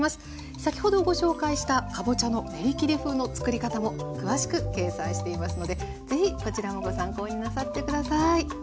先ほどご紹介したかぼちゃの練りきり風のつくり方も詳しく掲載していますので是非こちらもご参考になさって下さい。